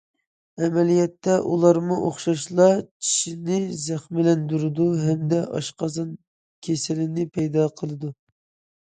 ئەمەلىيەتتە، ئۇلارمۇ ئوخشاشلا چىشنى زەخىملەندۈرىدۇ ھەمدە ئاشقازان كېسىلىنى پەيدا قىلىدۇ.